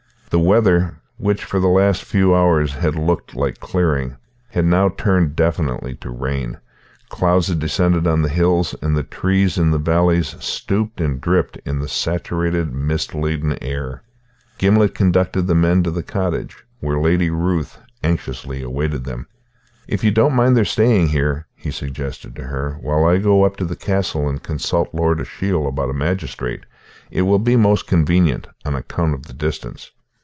The weather, which for the last few hours had looked like clearing, had now turned definitely to rain; clouds had descended on the hills, and the trees in the valleys stooped and dripped in the saturated, mist laden air. Gimblet conducted the men to the cottage, where Lady Ruth anxiously awaited them. "If you don't mind their staying here," he suggested to her, "while I go up to the castle and consult Lord Ashiel about a magistrate, it will be most convenient, on account of the distance."